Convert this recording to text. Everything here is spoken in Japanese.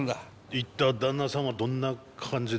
行った旦那さんはどんな感じでした？